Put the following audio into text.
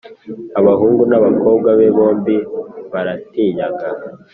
abahungu n,abakobwa be bombi baratinyaga